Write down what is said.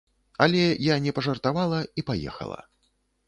Але я не пажартавала і паехала.